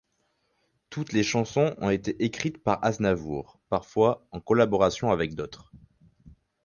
Toutes les chansons ont été écrites par Aznavour, parfois en collaboration avec d'autres.